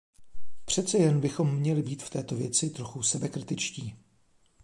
Přece jen bychom měli být v této věci trochu sebekritičtí.